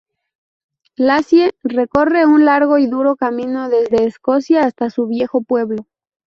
Lassie recorre un largo y duro camino desde Escocia hasta su viejo pueblo.